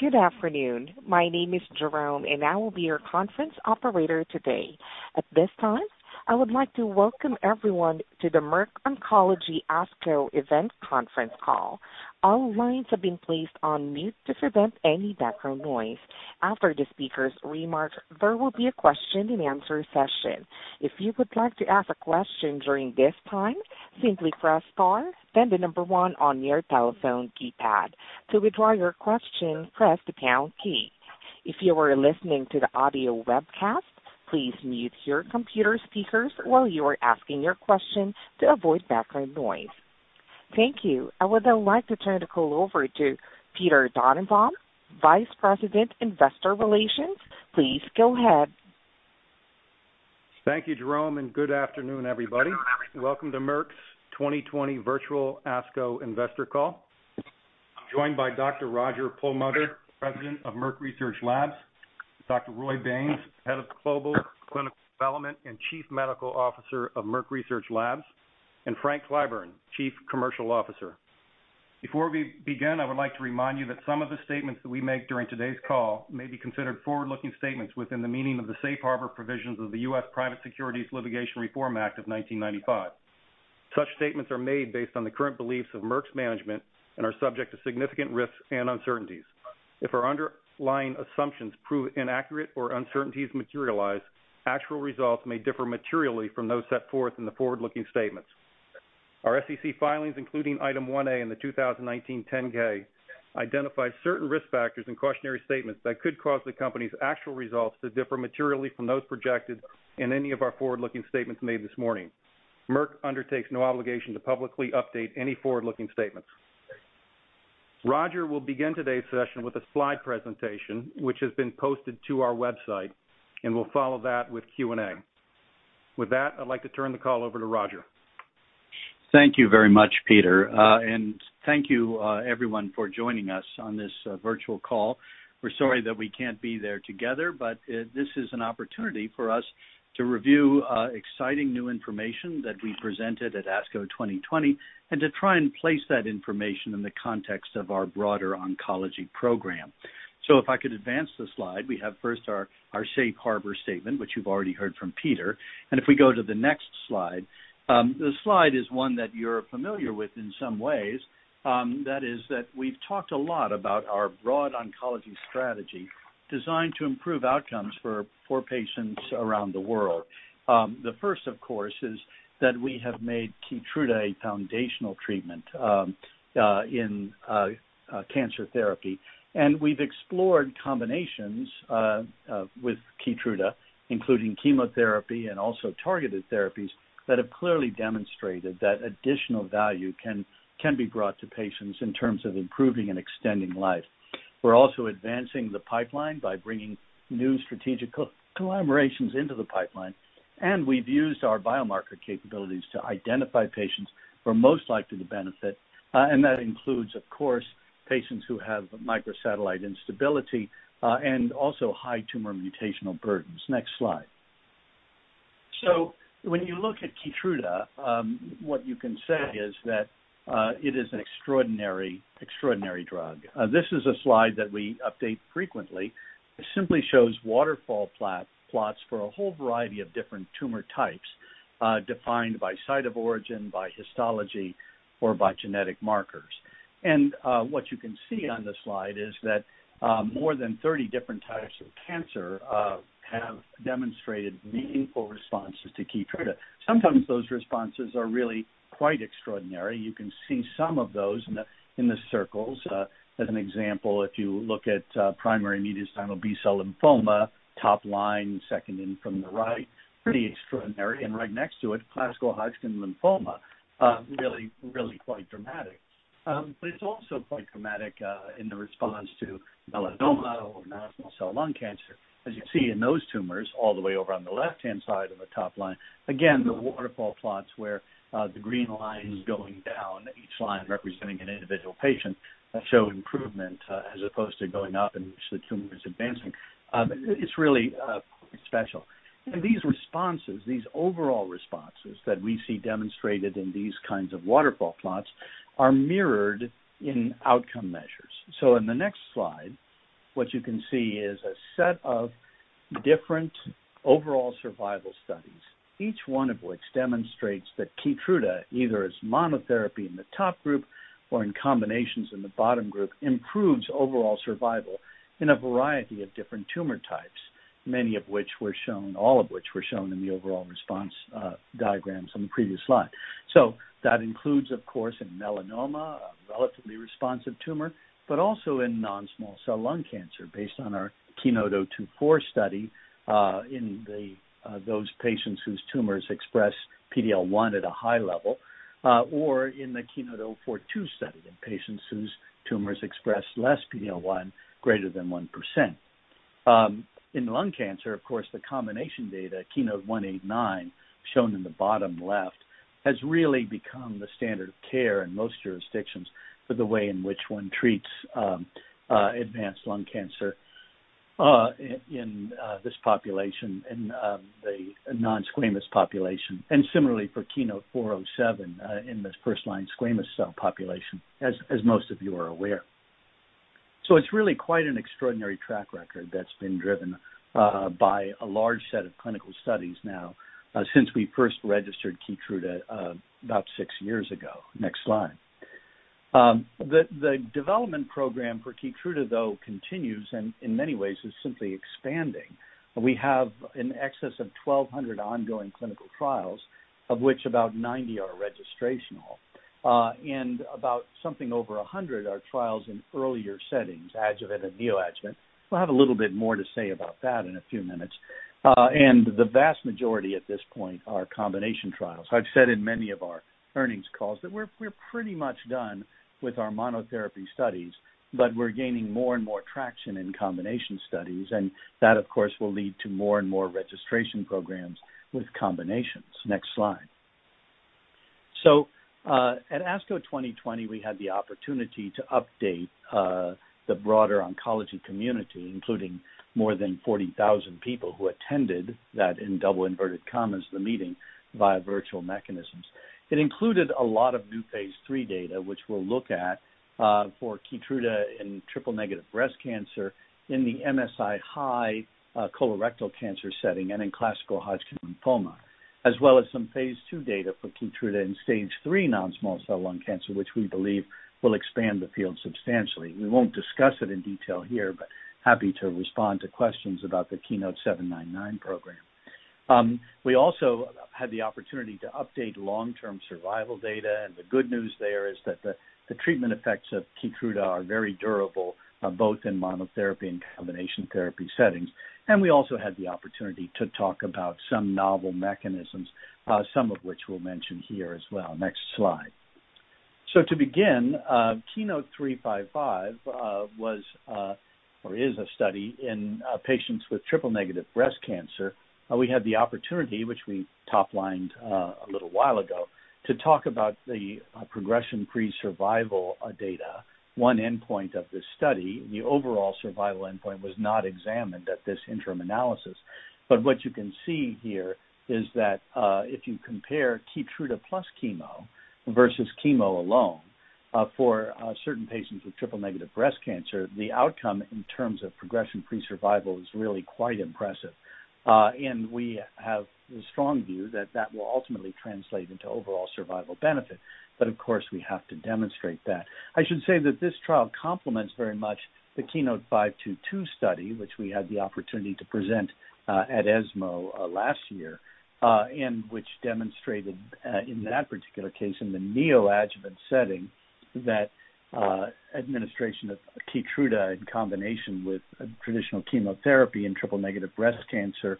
Good afternoon. My name is Jerome, and I will be your conference operator today. At this time, I would like to welcome everyone to the Merck Oncology ASCO event conference call. All lines have been placed on mute to prevent any background noise. After the speaker's remark, there will be a question and answer session. If you would like to ask a question during this time, simply press star, then the number one on your telephone keypad. To withdraw your question, press the pound key. If you are listening to the audio webcast, please mute your computer speakers while you are asking your question to avoid background noise. Thank you. I would like to turn the call over to Peter Dannenbaum, Vice President, Investor Relations. Please go ahead. Thank you, Jerome. Good afternoon, everybody. Welcome to Merck's 2020 virtual ASCO investor call. I'm joined by Dr. Roger Perlmutter, President of Merck Research Laboratories, Dr. Roy Baynes, Head of Global Clinical Development and Chief Medical Officer of Merck Research Laboratories, and Frank Clyburn, Chief Commercial Officer. Before we begin, I would like to remind you that some of the statements that we make during today's call may be considered forward-looking statements within the meaning of the Safe Harbor provisions of the U.S. Private Securities Litigation Reform Act of 1995. Such statements are made based on the current beliefs of Merck's management and are subject to significant risks and uncertainties. If our underlying assumptions prove inaccurate or uncertainties materialize, actual results may differ materially from those set forth in the forward-looking statements. Our SEC filings, including Item 1A in the 2019 10-K, identify certain risk factors and cautionary statements that could cause the company's actual results to differ materially from those projected in any of our forward-looking statements made this morning. Merck undertakes no obligation to publicly update any forward-looking statements. Roger will begin today's session with a slide presentation, which has been posted to our website, and we'll follow that with Q&A. With that, I'd like to turn the call over to Roger. Thank you very much, Peter. Thank you, everyone, for joining us on this virtual call. We're sorry that we can't be there together, but this is an opportunity for us to review exciting new information that we presented at ASCO 2020 and to try and place that information in the context of our broader oncology program. If I could advance the slide, we would have first our safe harbor statement, which you've already heard from, Peter. If we go to the next slide, this slide is one that you're familiar with in some ways. That is, we've talked a lot about our broad oncology strategy designed to improve outcomes for more patients around the world. The first, of course, is that we have made KEYTRUDA a foundational treatment in cancer therapy, and we've explored combinations with KEYTRUDA, including chemotherapy and also targeted therapies that have clearly demonstrated that additional value can be brought to patients in terms of improving and extending life. We're also advancing the pipeline by bringing new strategic collaborations into the pipeline, and we've used our biomarker capabilities to identify patients who are most likely to benefit. That includes, of course, patients who have microsatellite instability and also high tumor mutational burdens. Next slide. When you look at KEYTRUDA, what you can say is that it is an extraordinary drug. This is a slide that we update frequently. It simply shows waterfall plots for a whole variety of different tumor types, defined by site of origin, by histology, or by genetic markers. What you can see on the slide is that more than 30 different types of cancer have demonstrated meaningful responses to KEYTRUDA. Sometimes those responses are really quite extraordinary. You can see some of those in the circles. As an example, if you look at primary mediastinal B-cell lymphoma, top line, second from the right, it's pretty extraordinary. Right next to it is classical Hodgkin lymphoma, which is really quite dramatic. It's also quite dramatic in the response to melanoma or non-small cell lung cancer. As you can see in those tumors all the way over on the left-hand side of the top line, again, the waterfall plots where the green line is going down, each line representing an individual patient, show improvement as opposed to going up and the tumor advancing. It's really special. These responses, these overall responses that we see demonstrated in these kinds of waterfall plots, are mirrored in outcome measures. In the next slide, what you can see is a set of different overall survival studies, each one of which demonstrates that KEYTRUDA, either as monotherapy in the top group or in combinations in the bottom group, improves overall survival in a variety of different tumor types, all of which were shown in the overall response diagrams on the previous slide. That includes, of course, melanoma, a relatively responsive tumor, but also non-small cell lung cancer, based on our KEYNOTE-024 study, in those patients whose tumors express PD-L1 at a high level, or in the KEYNOTE-042 study in patients whose tumors express PD-L1 greater than 1%. In lung cancer, of course, the combination data, KEYNOTE-189, shown in the bottom left, has really become the standard of care in most jurisdictions for the way in which one treats advanced lung cancer. In this population, in the non-squamous population, and similarly for KEYNOTE-407 in the first-line squamous cell population, as most of you are aware. It's really quite an extraordinary track record that's been driven by a large set of clinical studies now since we first registered KEYTRUDA about six years ago. Next slide. The development program for KEYTRUDA, though, continues and in many ways is simply expanding. We have in excess of 1,200 ongoing clinical trials, of which about 90 are registrational. About something over 100 are trials in earlier settings, adjuvant and neoadjuvant. We'll have a little bit more to say about that in a few minutes. The vast majority at this point are combination trials. I've said in many of our earnings calls that we're pretty much done with our monotherapy studies, but we're gaining more and more traction in combination studies, and that, of course, will lead to more and more registration programs with combinations. Next slide. At ASCO 2020, we had the opportunity to update the broader oncology community, including more than 40,000 people who attended that, in double inverted commas, the meeting via virtual mechanisms. It included a lot of new phase III data, which we'll look at for KEYTRUDA in triple-negative breast cancer in the MSI-high colorectal cancer setting and in classical Hodgkin lymphoma, as well as some phase II data for KEYTRUDA in stage III non-small cell lung cancer, which we believe will expand the field substantially. We won't discuss it in detail here but are happy to respond to questions about the KEYNOTE-799 program. We also had the opportunity to update long-term survival data, and the good news there is that the treatment effects of KEYTRUDA are very durable, both in monotherapy and combination therapy settings. We also had the opportunity to talk about some novel mechanisms, some of which we'll mention here as well. Next slide. To begin, KEYNOTE-355 was a study in patients with triple-negative breast cancer. We had the opportunity, which we top-lined a little while ago, to talk about the progression-free survival data, one endpoint of this study. The overall survival endpoint was not examined at this interim analysis. What you can see here is that if you compare KEYTRUDA plus chemo versus chemo alone for certain patients with triple-negative breast cancer, the outcome in terms of progression-free survival is really quite impressive. We have the strong view that that will ultimately translate into overall survival benefit. Of course, we have to demonstrate that. I should say that this trial complements very much the KEYNOTE-522 study, which we had the opportunity to present at ESMO last year, and which demonstrated, in that particular case, in the neoadjuvant setting, that administration of KEYTRUDA in combination with traditional chemotherapy in triple-negative breast cancer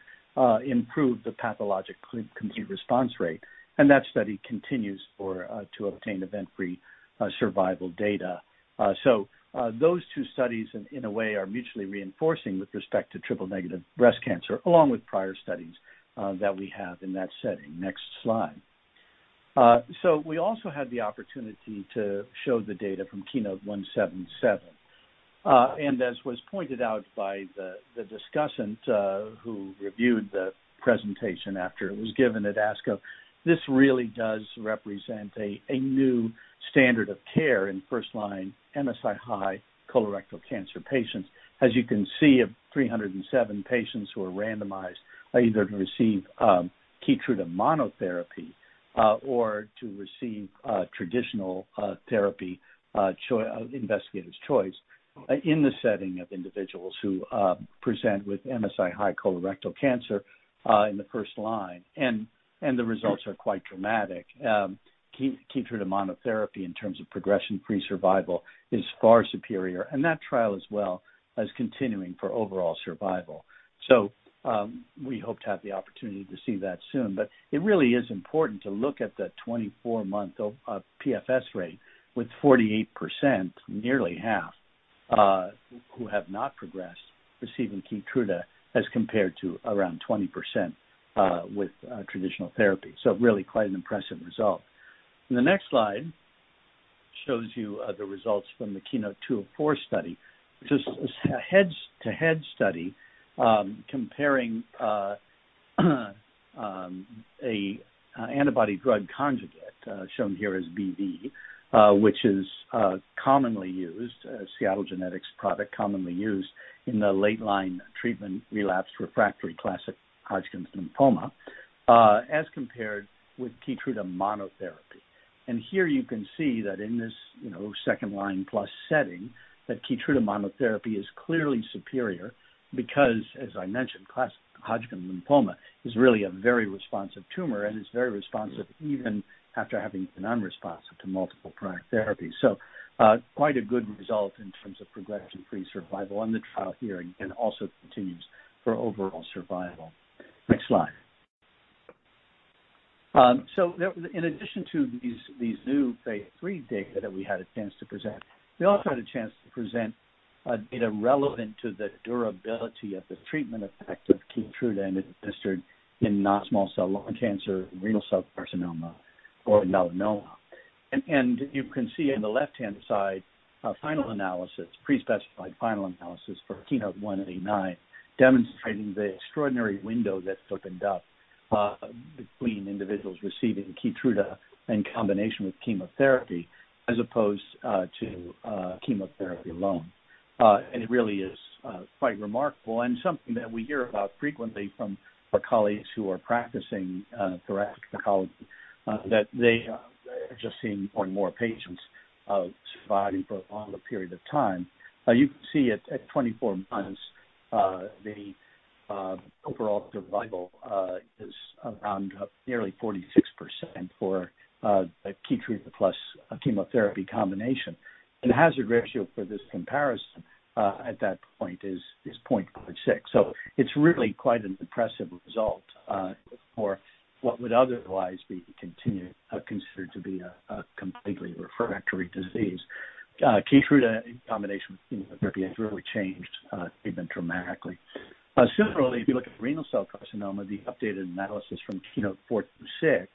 improved the pathologic complete response rate. That study continues to obtain event-free survival data. Those two studies, in a way, are mutually reinforcing with respect to triple-negative breast cancer, along with prior studies that we have in that setting. Next slide. We also had the opportunity to show the data from KEYNOTE-177. As was pointed out by the discussant who reviewed the presentation after it was given at ASCO, this really does represent a new standard of care in first-line MSI-high colorectal cancer patients. As you can see, of 307 patients who were randomized either to receive KEYTRUDA monotherapy or to receive traditional therapy, investigator's choice, in the setting of individuals who present with MSI-high colorectal cancer in the first line, and the results are quite dramatic. KEYTRUDA monotherapy in terms of progression-free survival is far superior. That trial as well is continuing for overall survival. We hope to have the opportunity to see that soon. It really is important to look at the 24-month PFS rate with 48% nearly half who have not progressed receiving KEYTRUDA as compared to around 20% with traditional therapy. Really quite an impressive result. The next slide shows you the results from the KEYNOTE-204 study, which is a head-to-head study comparing an antibody drug conjugate, shown here as BV, which is commonly used, a Seattle Genetics product commonly used in the late-line treatment of relapsed/refractory classic Hodgkin lymphoma, as compared with KEYTRUDA monotherapy. Here you can see that in this second-line plus setting, that KEYTRUDA monotherapy is clearly superior because, as I mentioned, classic Hodgkin lymphoma is really a very responsive tumor and is very responsive even after having been unresponsive to multiple prior therapies. Quite a good result in terms of progression-free survival on the trial here and also continues for overall survival. Next slide. In addition to these new phase III data that we had a chance to present, we also had a chance to present data relevant to the durability of the treatment effects of KEYTRUDA administered in non-small cell lung cancer, renal cell carcinoma, or melanoma. You can see on the left-hand side a final analysis, a pre-specified final analysis for KEYNOTE-189, demonstrating the extraordinary window that's opened up between individuals receiving KEYTRUDA in combination with chemotherapy, as opposed to chemotherapy alone. It really is quite remarkable, and something that we hear about frequently from our colleagues who are practicing thoracic oncology is that they are just seeing more and more patients surviving for a longer period of time. You can see it at 24 months; the overall survival is around nearly 46% for the KEYTRUDA plus chemotherapy combination. The hazard ratio for this comparison at that point is 0.56. It's really quite an impressive result for what would otherwise be considered to be a completely refractory disease. KEYTRUDA in combination with chemotherapy has really changed the treatment dramatically. Similarly, if you look at renal cell carcinoma, the updated analysis from KEYNOTE-426,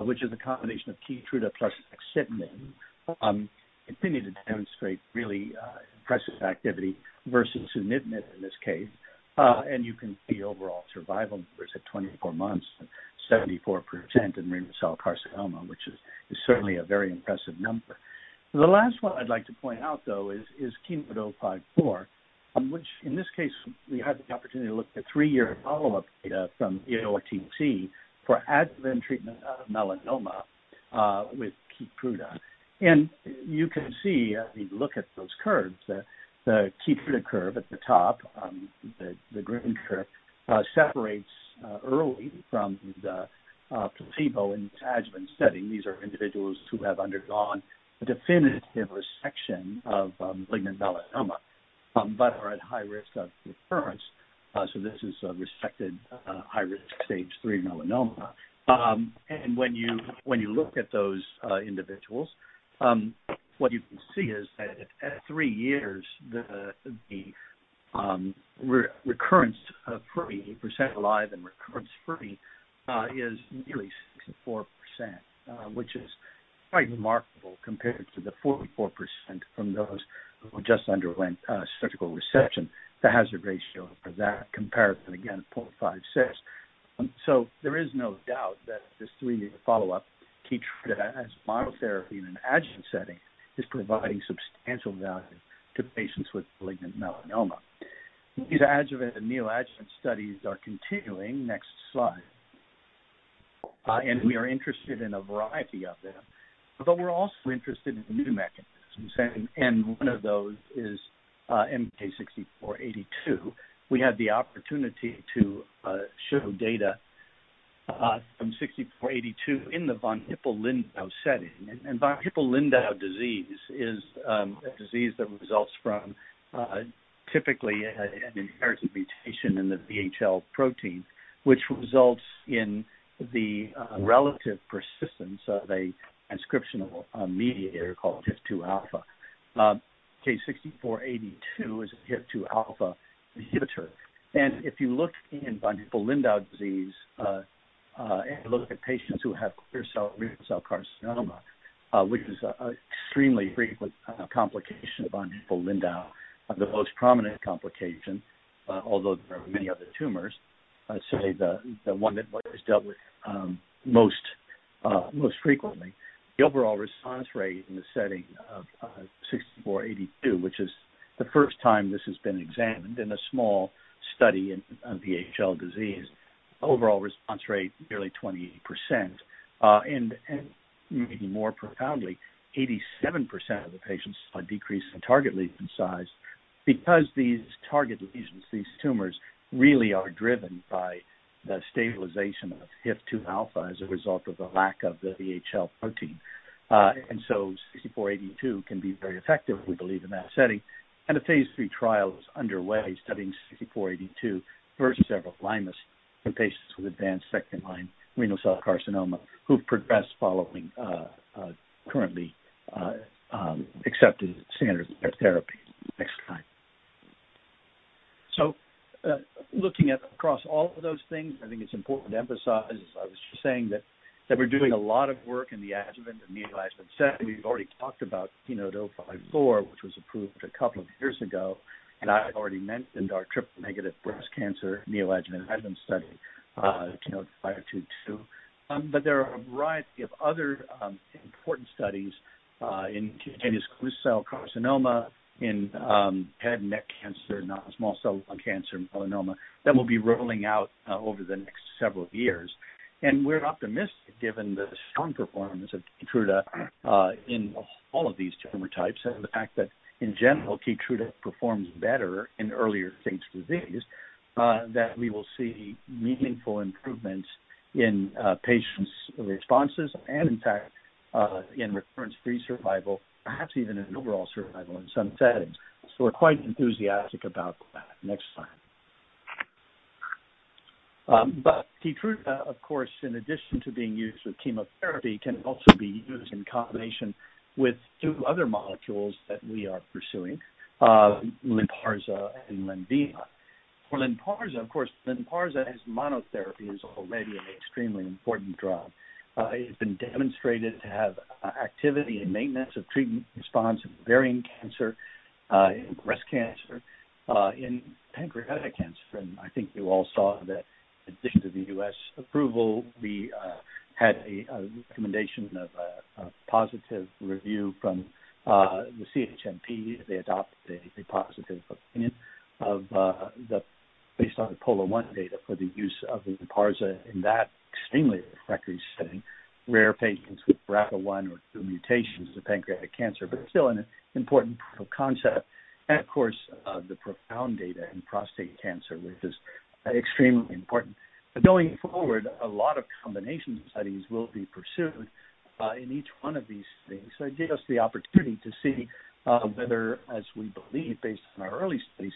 which is a combination of KEYTRUDA plus axitinib, continued to demonstrate really impressive activity versus sunitinib in this case. You can see overall survival numbers at 24 months, 74% in renal cell carcinoma, which is certainly a very impressive number. The last one I'd like to point out, though, is KEYNOTE-054, for which, in this case, we had the opportunity to look at three-year follow-up data from EORTC for adjuvant treatment of melanoma with KEYTRUDA. You can see as we look at those curves, the KEYTRUDA curve at the top, the green curve, separates early from the placebo in this adjuvant setting. These are individuals who have undergone definitive resection of malignant melanoma but are at high risk of recurrence. This is resected high-risk Stage 3 melanoma. When you look at those individuals, what you can see is that at three years, the recurrence-free percent alive and recurrence-free is nearly 64%, which is quite remarkable compared to the 44% from those who just underwent surgical resection. The hazard ratio for that comparison, again, is 0.56. There is no doubt that this three-year follow-up KEYTRUDA as monotherapy in an adjuvant setting is providing substantial value to patients with malignant melanoma. These adjuvant and neoadjuvant studies are continuing. Next slide. We are interested in a variety of them, but we're also interested in new mechanisms. One of those is MK-6482. We had the opportunity to show data from 6482 in the von Hippel-Lindau setting. Von Hippel-Lindau disease is a disease that results from typically an inherited mutation in the VHL protein, which results in the relative persistence of a transcription mediator called HIF-2α. MK-6482 is a HIF-2α inhibitor. If you look in von Hippel-Lindau disease and you look at patients who have clear cell renal cell carcinoma, which is an extremely frequent complication of von Hippel-Lindau, the most prominent complication, although there are many other tumors, I'd say it's the one that was dealt with most frequently. The overall response rate in the setting of 6482, which is the first time this has been examined in a small study in VHL disease, overall response rate nearly 28%. Maybe more profoundly, 87% of the patients saw a decrease in target lesion size because these target lesions, these tumors, really are driven by the stabilization of HIF-2 alpha as a result of the lack of the VHL protein. MK-6482 can be very effective, we believe, in that setting. A phase III trial is underway studying MK-6482 versus everolimus in patients with advanced second-line renal cell carcinoma who've progressed following currently accepted standards of therapy. Next slide. Looking across all of those things, I think it's important to emphasize, as I was just saying, that we're doing a lot of work in the adjuvant and neoadjuvant setting. We've already talked about KEYNOTE-054, which was approved a couple of years ago, and I already mentioned our triple-negative breast cancer neoadjuvant/adjuvant study, KEYNOTE-522. There are a variety of other important studies in cutaneous squamous cell carcinoma, in head and neck cancer, non-small cell lung cancer, melanoma that we'll be rolling out over the next several years. We're optimistic, given the strong performance of KEYTRUDA in all of these tumor types and the fact that in general, KEYTRUDA performs better in earlier-stage disease, that we will see meaningful improvements in patients' responses and, in fact, in recurrence-free survival, perhaps even in overall survival in some settings. We're quite enthusiastic about that. Next slide. KEYTRUDA, of course, in addition to being used with chemotherapy, can also be used in combination with two other molecules that we are pursuing, LYNPARZA and LENVIMA. for LYNPARZA, of course, LYNPARZA as monotherapy is already an extremely important drug. It has been demonstrated to have activity in the maintenance of treatment response in ovarian cancer, in breast cancer, and in pancreatic cancer. I think you all saw that in addition to the U.S. approval, we had a recommendation of a positive review from the CHMP. They adopted a positive opinion based on the POLO1 data for the use of LYNPARZA in that extremely refractory setting, rare patients with BRCA1 or BRCA2 mutations with pancreatic cancer, but still an important proof of concept. Of course, the profound data in prostate cancer, which is extremely important. Going forward, a lot of combination studies will be pursued in each one of these things. It gave us the opportunity to see whether, as we believe based on our early studies,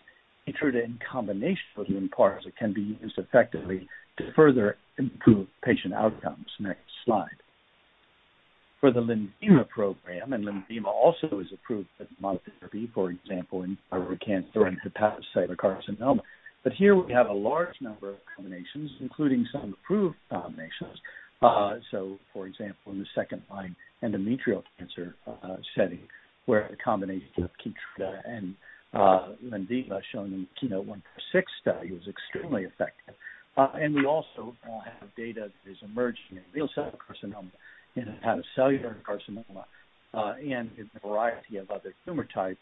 KEYTRUDA in combination with LYNPARZA can be used effectively to further improve patient outcomes. Next slide. For the LENVIMA program, LENVIMA also is approved as monotherapy, for example, in urothelial carcinoma. Here we have a large number of combinations, including some approved combinations. For example, in the second-line endometrial cancer setting, the combination of KEYTRUDA and LENVIMA shown in the KEYNOTE-146 study was extremely effective. We also have data that is emerging in renal cell carcinoma, in hepatocellular carcinoma, and in a variety of other tumor types.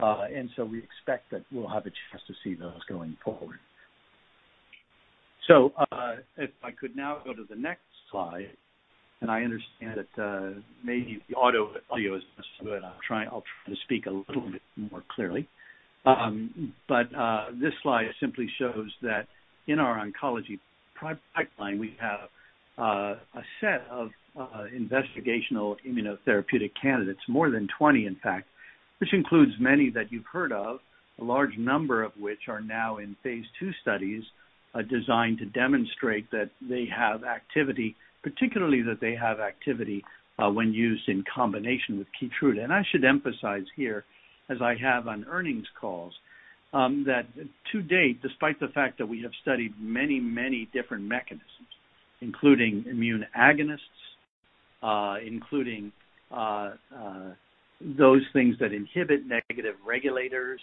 We expect that we'll have a chance to see those going forward. If I could now go to the next slide, and I understand that maybe the audio is not so good. I'll try to speak a little bit more clearly. This slide simply shows that in our oncology pipeline, we have a set of investigational immunotherapeutic candidates, more than 20, in fact, which includes many that you've heard of, a large number of which are now in phase II studies, designed to demonstrate that they have activity, particularly that they have activity when used in combination with KEYTRUDA. I should emphasize here, as I have on earnings calls, that to date, despite the fact that we have studied many different mechanisms, including immune agonists, including those things that inhibit negative regulators,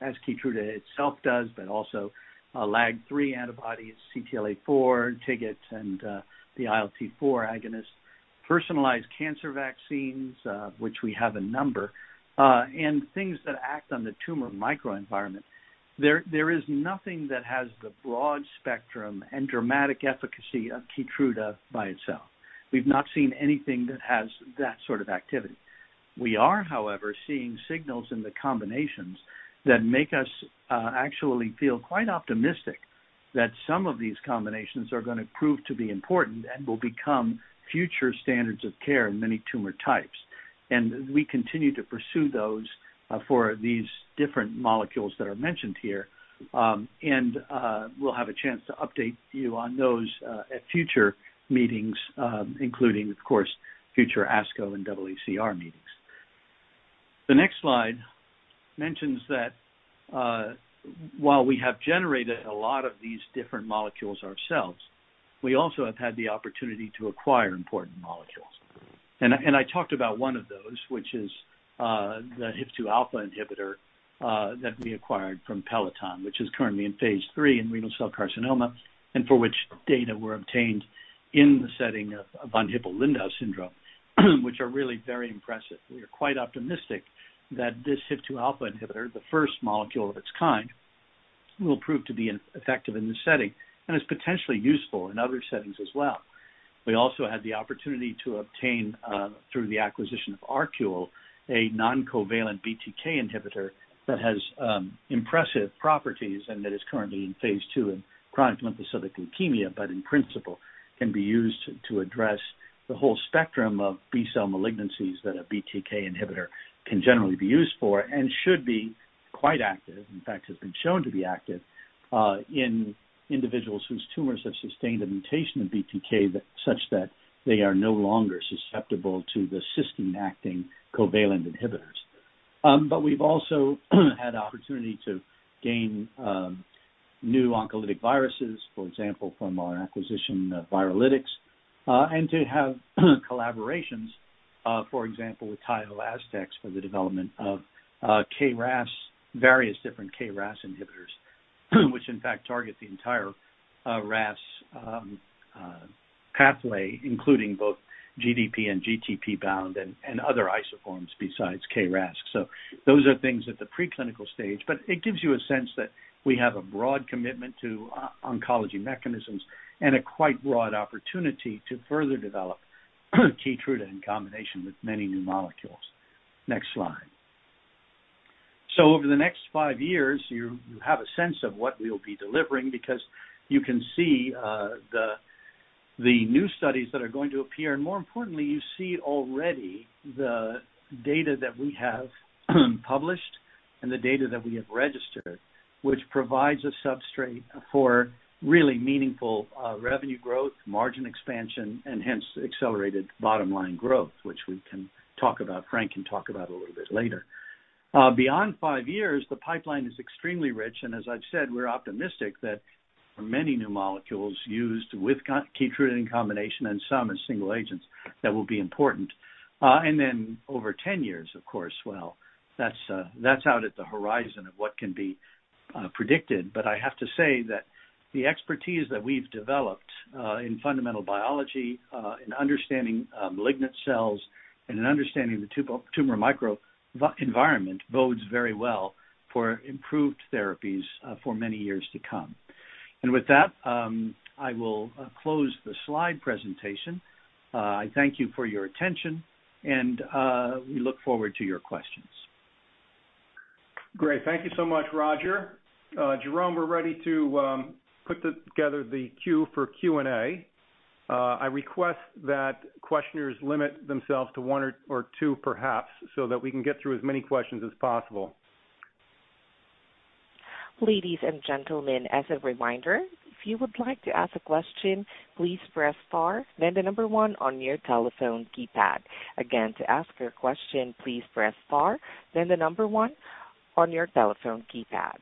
as KEYTRUDA itself does, but also LAG-3 antibodies, CTLA-4, TIGIT, and the ILT-4 agonist; personalized cancer vaccines, which we have a number of; and things that act on the tumor microenvironment. There is nothing that has the broad spectrum and dramatic efficacy of KEYTRUDA by itself. We've not seen anything that has that sort of activity. We are, however, seeing signals in the combinations that make us actually feel quite optimistic that some of these combinations are going to prove to be important and will become future standards of care in many tumor types. We continue to pursue those different molecules that are mentioned here. We'll have a chance to update you on those at future meetings, including, of course, future ASCO and AACR meetings. The next slide mentions that while we have generated a lot of these different molecules ourselves, we also have had the opportunity to acquire important molecules. I talked about one of those, which is the HIF-2α inhibitor that we acquired from Peloton, which is currently in phase III in renal cell carcinoma, and for which data were obtained in the setting of von Hippel-Lindau syndrome, which are really very impressive. We are quite optimistic that this HIF-2α inhibitor, the first molecule of its kind, will prove to be effective in this setting and is potentially useful in other settings as well. We also had the opportunity to obtain, through the acquisition of ArQule, a non-covalent BTK inhibitor that has impressive properties and that is currently in phase II in chronic lymphocytic leukemia but, in principle, can be used to address the whole spectrum of B-cell malignancies that a BTK inhibitor can generally be used for and should be quite active; in fact, it has been shown to be active in individuals whose tumors have sustained a mutation of BTK, such that they are no longer susceptible to the cysteine-acting covalent inhibitors. We've also had the opportunity to gain new oncolytic viruses, for example, from our acquisition of Viralytics, and to have collaborations, for example, with Taiho Astex for the development of various different KRAS inhibitors, which in fact target the entire RAS pathway, including both GDP- and GTP bound and other isoforms besides KRAS. Those are things at the preclinical stage, but it gives you a sense that we have a broad commitment to oncology mechanisms and a quite broad opportunity to further develop KEYTRUDA in combination with many new molecules. Next slide. Over the next five years, you have a sense of what we'll be delivering because you can see the new studies that are going to appear, and more importantly, you see already the data that we have published and the data that we have registered, which provides a substrate for really meaningful revenue growth, margin expansion, and hence accelerated bottom-line growth, which Frank can talk about a little bit later. Beyond five years, the pipeline is extremely rich, and as I've said, we're optimistic that many new molecules will be used with KEYTRUDA in combination and some as single agents that will be important. Over 10 years, of course, well, that's out at the horizon of what can be predicted. I have to say that the expertise that we've developed in fundamental biology, in understanding malignant cells, and in understanding the tumor microenvironment bodes very well for improved therapies for many years to come. With that, I will close the slide presentation. I thank you for your attention, and we look forward to your questions. Great. Thank you so much, Roger. Jerome, we're ready to put together the queue for Q&A. I request that questioners limit themselves to one or two, perhaps, so that we can get through as many questions as possible. Ladies and gentlemen, as a reminder, if you would like to ask a question, please press star then the number one on your telephone keypad. Again, to ask your question, please press star then the number one on your telephone keypad.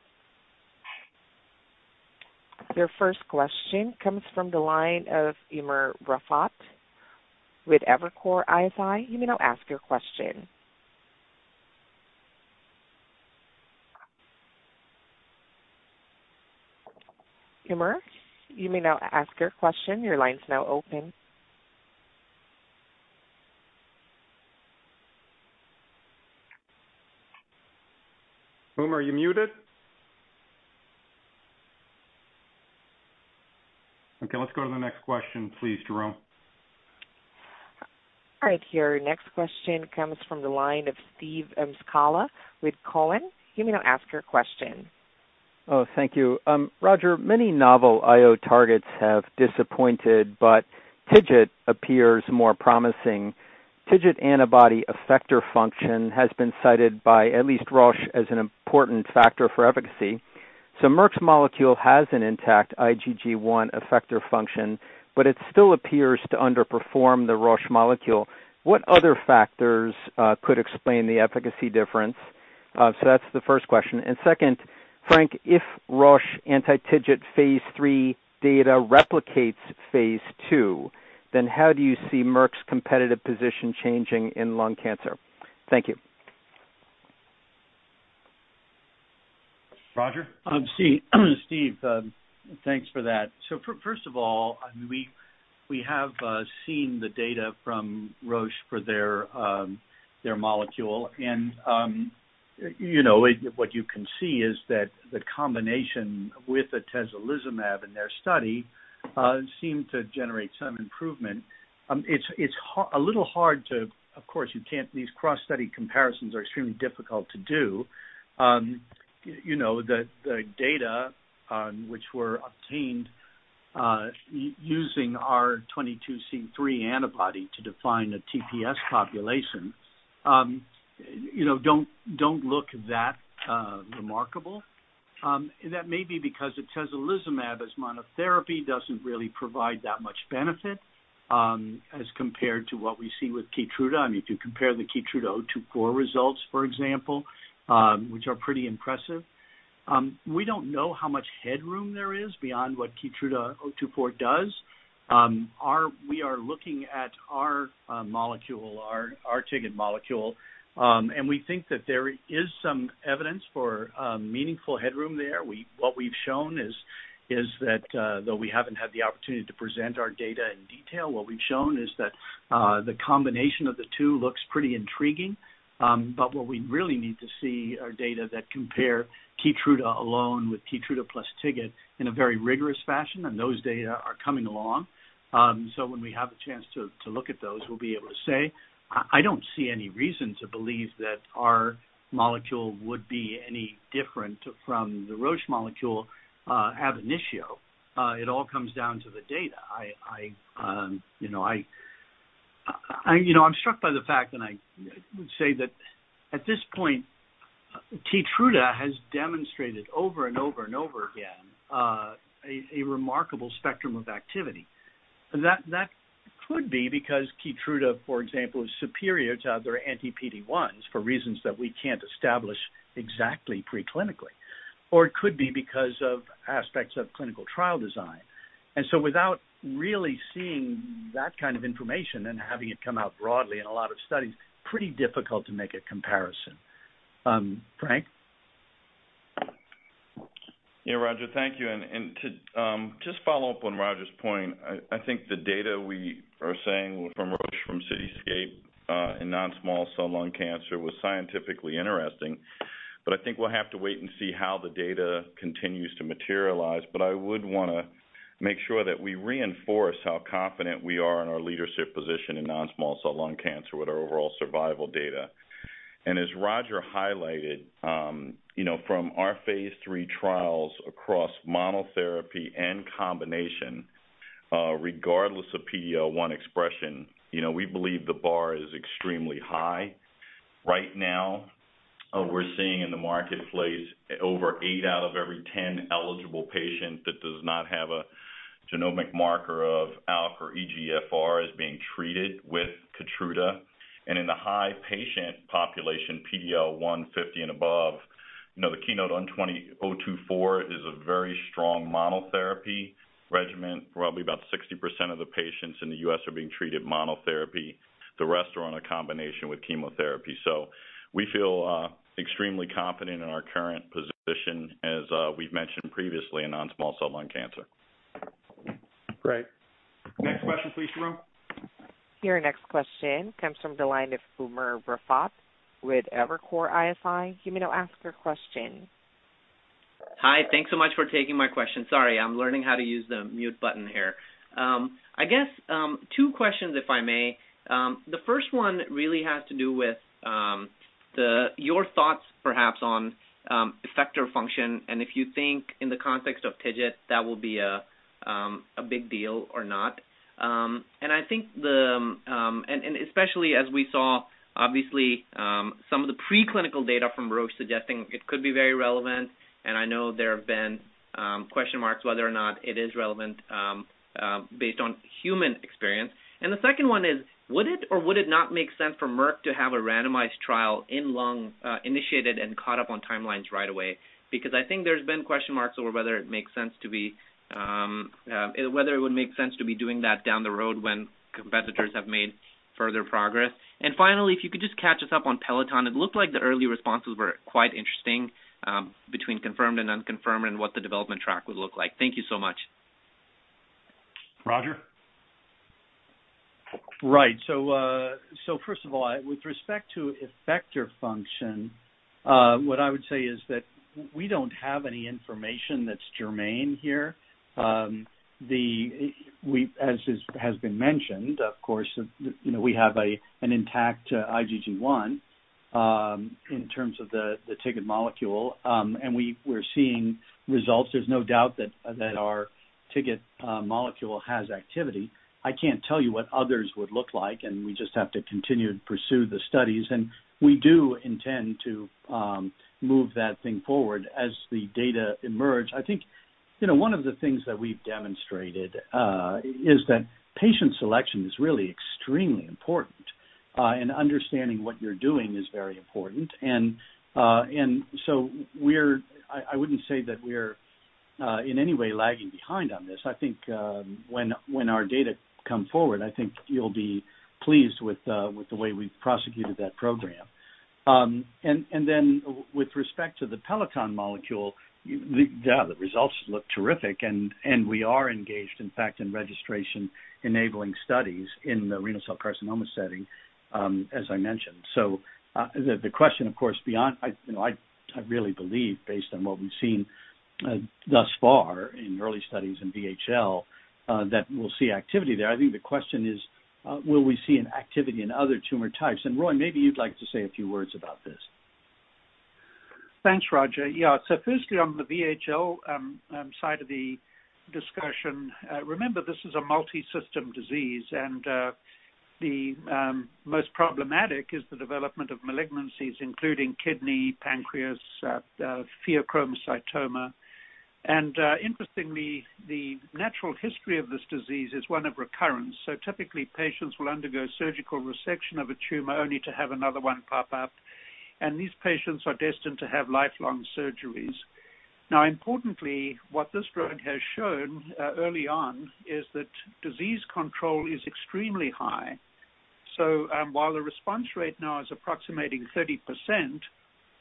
Your first question comes from the line of Umer Raffat with Evercore ISI. You may now ask your question. Umer, you may now ask your question. Your line's now open. Umer, are you muted? Okay, let's go to the next question, please, Jerome. All right. Your next question comes from the line of Steve Scala with Cowen. You may now ask your question. Thank you. Roger, many novel IO targets have disappointed, but TIGIT appears more promising. TIGIT antibody effector function has been cited by at least Roche as an important factor for efficacy. Merck's molecule has an intact IgG1 effector function, but it still appears to underperform the Roche molecule. What other factors could explain the efficacy difference? That's the first question. Second, Frank, if Roche anti-TIGIT phase III data replicates phase II, then how do you see Merck's competitive position changing in lung cancer? Thank you. Roger? Steve, thanks for that. First of all, we have seen the data from Roche for their molecule, and what you can see is that the combination with atezolizumab in their study seemed to generate some improvement. It's a little hard, of course, these cross-study comparisons are extremely difficult to do. The data which were obtained using our 22C3 antibody to define a TPS population, don't look that remarkable. That may be because atezolizumab as monotherapy doesn't really provide that much benefit as compared to what we see with KEYTRUDA. If you compare the KEYTRUDA O24 results, for example, which are pretty impressive. We don't know how much headroom there is beyond what KEYTRUDA O24 does. We are looking at our molecule, our TIGIT molecule, and we think that there is some evidence for meaningful headroom there. What we've shown is that, though we haven't had the opportunity to present our data in detail, what we've shown is that the combination of the two looks pretty intriguing. What we really need to see are data that compare KEYTRUDA alone with KEYTRUDA plus TIGIT in a very rigorous fashion, and those data are coming along. When we have a chance to look at those, we'll be able to say. I don't see any reason to believe that our molecule would be any different from the Roche molecule ab initio. It all comes down to the data. I'm struck by the fact that I would say that at this point, KEYTRUDA has demonstrated over and over again a remarkable spectrum of activity. That could be because KEYTRUDA, for example, is superior to other anti-PD-1s for reasons that we can't establish exactly preclinically. It could be because of aspects of clinical trial design. Without really seeing that kind of information and having it come out broadly in a lot of studies, it's pretty difficult to make a comparison. Frank? Yeah, Roger, thank you. To just follow up on Roger's point, I think the data we are seeing from Roche from CITYSCAPE in non-small cell lung cancer is scientifically interesting, but I think we'll have to wait and see how the data continues to materialize. I would want to make sure that we reinforce how confident we are in our leadership position in non-small cell lung cancer with our overall survival data. As Roger highlighted, from our phase III trials across monotherapy and combination, regardless of PD-L1 expression, we believe the bar is extremely high right now. We're seeing in the marketplace that over 8 out of every 10 eligible patients that do not have a genomic marker of ALK or EGFR are being treated with KEYTRUDA. In the high patient population, PD-L1 50 and above, KEYNOTE-024 is a very strong monotherapy regimen. Probably about 60% of the patients in the U.S. are being treated with monotherapy. The rest are on a combination with chemotherapy. We feel extremely confident in our current position, as we've mentioned previously, in non-small cell lung cancer. Great. Next question please, Jerome. Your next question comes from the line of Umer Raffat with Evercore ISI. You may now ask your question. Hi, thanks so much for taking my question. Sorry, I'm learning how to use the mute button here. I guess two questions if I may. The first one really has to do with your thoughts, perhaps on effector function, and if you think in the context of TIGIT, that will be a big deal or not. Especially as we saw, obviously, some of the preclinical data from Roche suggesting it could be very relevant, and I know there have been question marks about whether or not it is relevant based on human experience. The second one is, would it or would it not make sense for Merck to have a randomized trial in lung initiated and caught up on timelines right away? I think there's been a question mark over whether it would make sense to be doing that down the road when competitors have made further progress. Finally, could you just catch us up on Peloton? It looked like the early responses were quite interesting between confirmed and unconfirmed and what the development track would look like. Thank you so much. Roger? Right. First of all, with respect to effector function, what I would say is that we don't have any information that's germane here. As has been mentioned, of course, we have an intact IgG1 in terms of the TIGIT molecule. We're seeing results. There's no doubt that our TIGIT molecule has activity. I can't tell you what others would look like, and we just have to continue to pursue the studies. We do intend to move that thing forward as the data emerge. I think one of the things that we've demonstrated is that patient selection is really extremely important. Understanding what you're doing is very important. I wouldn't say that we're in any way lagging behind on this. I think when our data comes forward, I think you'll be pleased with the way we've prosecuted that program. With respect to the Peloton molecule, yeah, the results look terrific, and we are engaged, in fact, in registration-enabling studies in the renal cell carcinoma setting, as I mentioned. The question, of course, is beyond that. I really believe based on what we've seen thus far in early studies in VHL, that we'll see activity there. I think the question is, will we see an activity in other tumor types? Roy, maybe you'd like to say a few words about this. Thanks, Roger. Yeah. Firstly, on the VHL side of the discussion, remember, this is a multi-system disease, and the most problematic is the development of malignancies, including kidney, pancreas, and pheochromocytoma. Interestingly, the natural history of this disease is one of recurrence. Typically, patients will undergo surgical resection of a tumor only to have another one pop up, and these patients are destined to have lifelong surgeries. Now importantly, what this drug has shown early on is that disease control is extremely high. While the response rate now is approximating 30%,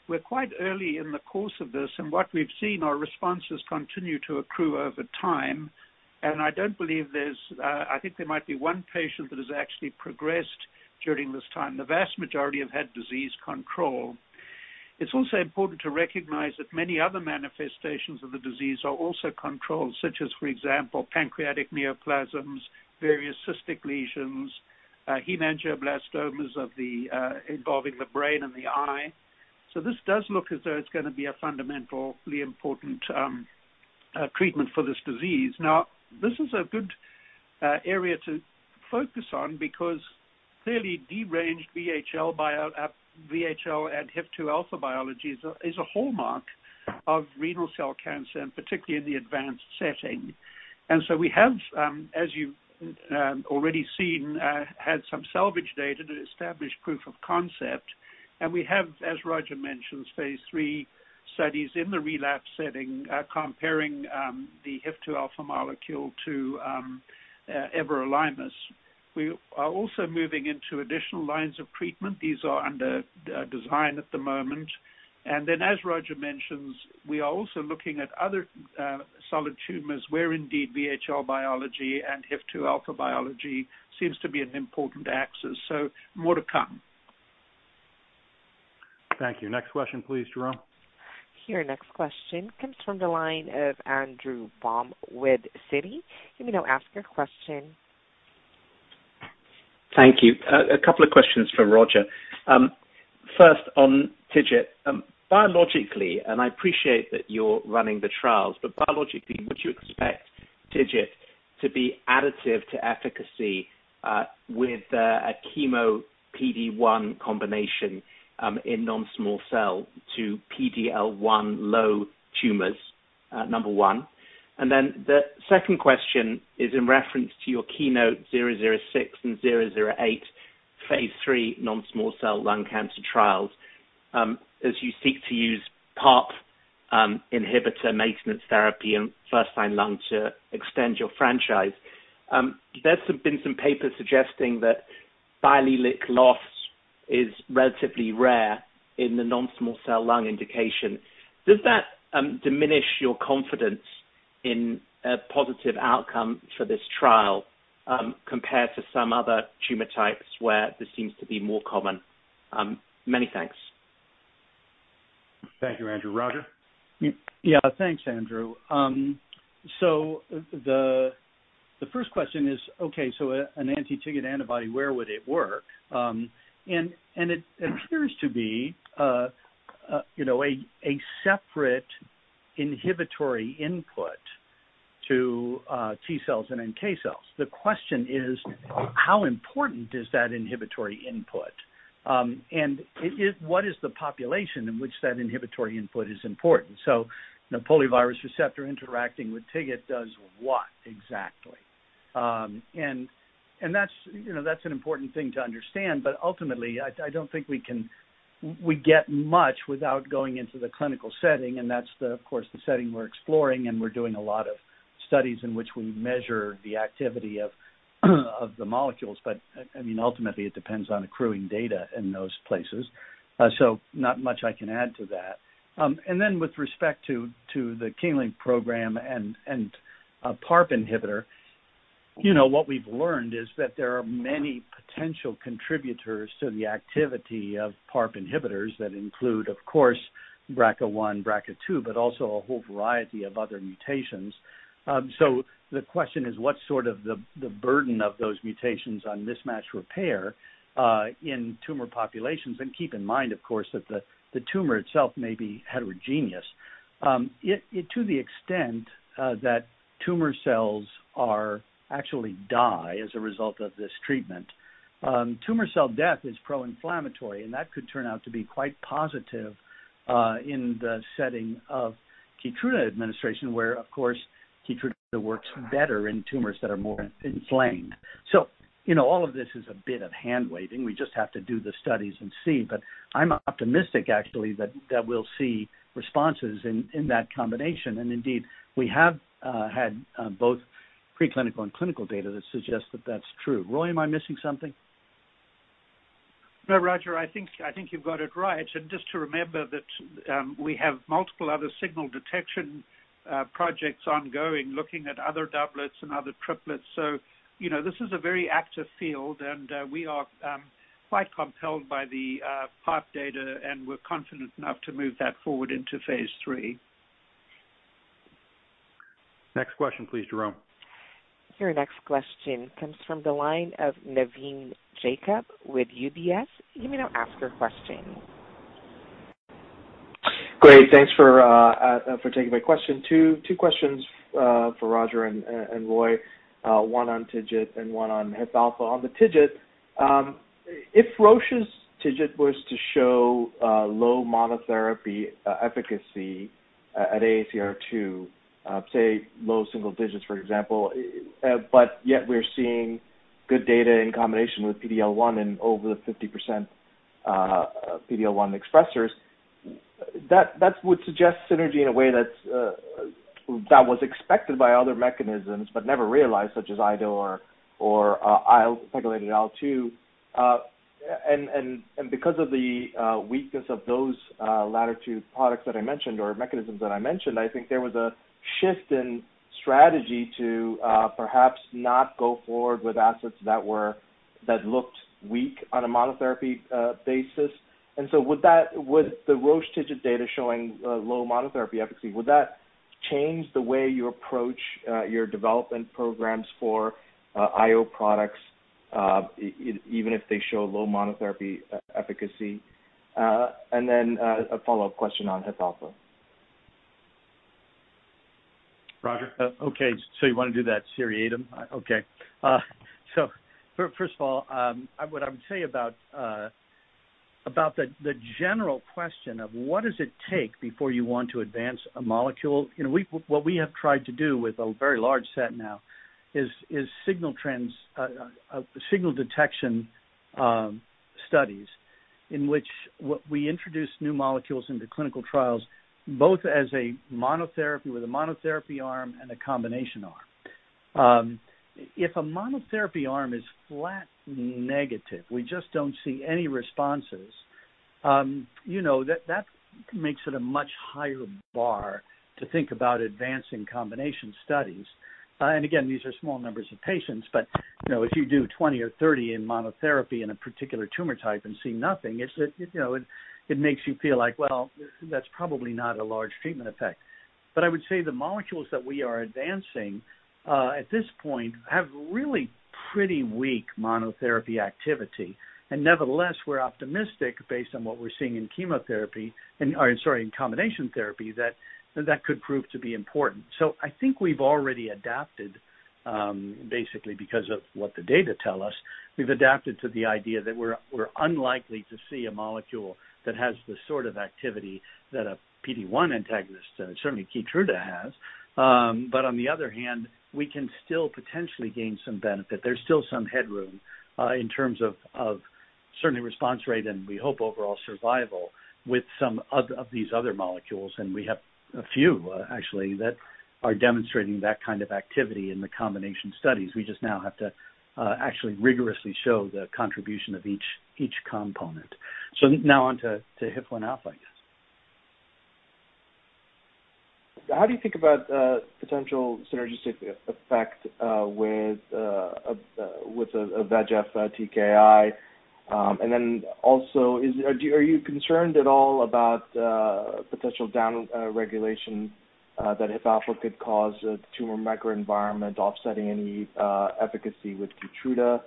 we're quite early in the course of this, and what we've seen is our responses continue to accrue over time. I think there might be one patient that has actually progressed during this time. The vast majority have had disease control. It's also important to recognize that many other manifestations of the disease are also controlled, such as, for example, pancreatic neoplasms, various cystic lesions, and hemangioblastomas involving the brain and the eye. This does look as though it's going to be a fundamentally important treatment for this disease. This is a good area to focus on because clearly deranged VHL and HIF-2α biology is a hallmark of renal cell cancer, and particularly in the advanced setting. We have, as you've already seen, had some salvage data to establish proof of concept. We have, as Roger mentioned, phase III studies in the relapse setting, comparing the HIF-2α molecule to everolimus. We are also moving into additional lines of treatment. These are under design at the moment. As Roger mentions, we are also looking at other solid tumors where indeed VHL biology and HIF-2 alpha biology seems to be an important axis. More to come. Thank you. Next question, please, Jerome. Your next question comes from the line of Andrew Baum with Citi. You may now ask your question. Thank you. A couple of questions for Roger. First on TIGIT. Biologically, and I appreciate that you're running the trials biologically, would you expect TIGIT? To be additive to efficacy with a chemo PD-1 combination in non-small cell to PD-L1 low tumors, number one. The second question is in reference to your KEYLYNK-006 and KEYLYNK-008 phase III non-small cell lung cancer trials. As you seek to use PARP inhibitor maintenance therapy in first-line lung to extend your franchise. There have been some papers suggesting that biallelic loss is relatively rare in the non-small cell lung indication. Does that diminish your confidence in a positive outcome for this trial, compared to some other tumor types where this seems to be more common? Many thanks. Thank you, Andrew. Roger? Yeah. Thanks, Andrew. The first question is, okay, an anti-TIGIT antibody, where would it work? It appears to be a separate inhibitory input to T cells and NK cells. The question is, how important is that inhibitory input? What is the population in which that inhibitory input is important? The poliovirus receptor interacting with TIGIT does what exactly? That's an important thing to understand, but ultimately, I don't think we get much without going into the clinical setting, and that's, of course, the setting we're exploring, and we're doing a lot of studies in which we measure the activity of the molecules. Ultimately, it depends on accruing data in those places. Not much I can add to that. Then with respect to the KEYLYNK program and a PARP inhibitor. What we've learned is that there are many potential contributors to the activity of PARP inhibitors that include, of course, BRCA1, BRCA2, but also a whole variety of other mutations. The question is, what's sort of the burden of those mutations on mismatch repair in tumor populations? Keep in mind, of course, that the tumor itself may be heterogeneous. To the extent that tumor cells are actually dying as a result of this treatment. Tumor cell death is pro-inflammatory, and that could turn out to be quite positive in the setting of KEYTRUDA administration, where, of course, KEYTRUDA works better in tumors that are more inflamed. All of this is a bit of hand-waving. We just have to do the studies and see. I'm optimistic, actually, that we'll see responses in that combination. Indeed, we have had both preclinical and clinical data that suggests that that's true. Roy, am I missing something? No, Roger, I think you've got it right. Just to remember that we have multiple other signal detection projects ongoing, looking at other doublets and other triplets. This is a very active field, and we are quite compelled by the PARP data, and we're confident enough to move that forward into phase III. Next question, please, Jerome. Your next question comes from the line of Navin Jacob with UBS. You may now ask your question. Great. Thanks for taking my question. Two questions for Roger and Roy. One on TIGIT and one on HIF alpha. On the TIGIT, if Roche's TIGIT were to show low monotherapy efficacy at AACR, say low single digits, for example, yet we're seeing good data in combination with PD-L1 and over the 50% PD-L1 expressors. That would suggest synergy in a way that was expected by other mechanisms but never realized, such as IDO or IL-regulated IL-2. Because of the weakness of those latter two products that I mentioned, or mechanisms that I mentioned, I think there was a shift in strategy to perhaps not go forward with assets that looked weak on a monotherapy basis. With the Roche TIGIT data showing low monotherapy efficacy, would that change the way you approach your development programs for IO products, even if they show low monotherapy efficacy? A follow-up question on HIF alpha. Roger? You want to do that seriatim? First of all, what would I say about the general question of what it takes before you want to advance a molecule? What we have tried to do with a very large set now is signal detection studies in which we introduce new molecules into clinical trials, both as a monotherapy with a monotherapy arm and a combination arm. If a monotherapy arm is flat negative, we just don't see any responses. That makes it a much higher bar to think about advancing combination studies. Again, these are small numbers of patients, but if you do 20 or 30 in monotherapy in a particular tumor type and see nothing, it makes you feel like, well, that's probably not a large treatment effect. I would say the molecules that we are advancing at this point have really pretty weak monotherapy activity. Nevertheless, we're optimistic based on what we're seeing in combination therapy, which could prove to be important. I think we've already adapted, basically because of what the data tell us. We've adapted to the idea that we're unlikely to see a molecule that has the sort of activity that a PD-1 antagonist, certainly KEYTRUDA has. On the other hand, we can still potentially gain some benefit. There's still some headroom in terms of certain response rates, and we hope for overall survival with some of these other molecules, and we have a few, actually, that are demonstrating that kind of activity in the combination studies. We just now have to actually rigorously show the contribution of each component. Now on to HIF 1 alpha, I guess. How do you think about a potential synergistic effect with a VEGF TKI? Then also, are you concerned at all about potential downregulation that HIF alpha could cause in a tumor microenvironment, offsetting any efficacy with KEYTRUDA?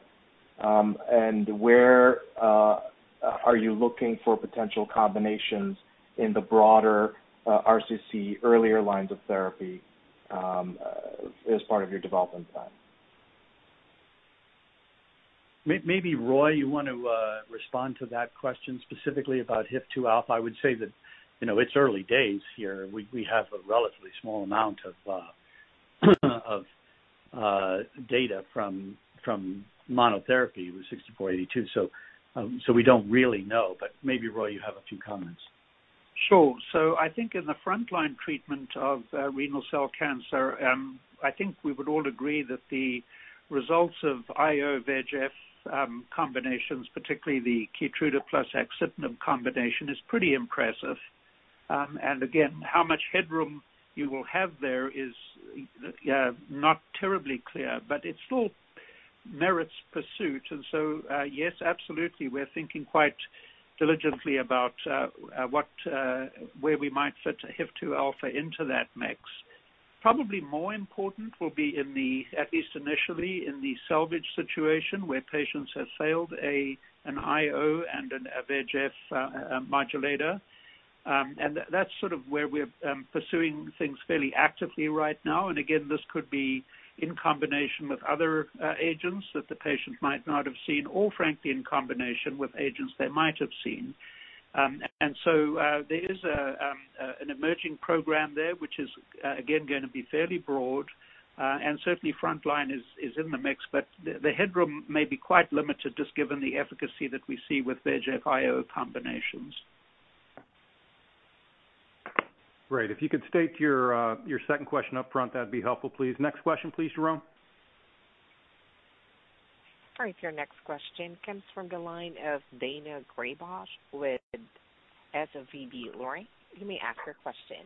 Where are you looking for potential combinations in the broader RCC earlier lines of therapy as part of your development plan? Maybe Roy, you want to respond to that question specifically about HIF-2 alpha? I would say that it's early days here. We have a relatively small amount of data from monotherapy with 6482. We don't really know, but maybe Roy, you have a few comments. Sure. I think in the frontline treatment of renal cell cancer, we would all agree that the results of IO VEGF combinations, particularly the KEYTRUDA plus axitinib combination, is pretty impressive. Again, how much headroom you will have there is not terribly clear, but it still merits pursuit. Yes, absolutely. We're thinking quite diligently about where we might fit HIF-2 alpha into that mix. Probably more important will be, at least initially, in the salvage situation where patients have failed an IO and a VEGF modulator. That's sort of where we're pursuing things fairly actively right now. Again, this could be in combination with other agents that the patient might not have seen or, frankly, in combination with agents they might have seen. There is an emerging program there which is again going to be fairly broad. Certainly, frontline is in the mix, but the headroom may be quite limited just given the efficacy that we see with VEGF IO combinations. Great. If you could state your second question upfront, that'd be helpful, please. Next question, please, Jerome. All right, your next question comes from the line of Daina Graybosch with SVB Leerink; you may ask your question.